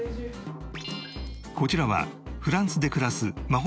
こちらはフランスで暮らす眞秀